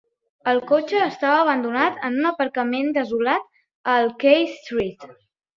El cotxe estava abandonat en un aparcament desolat al K Street.